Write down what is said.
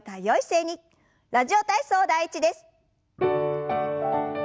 「ラジオ体操第１」です。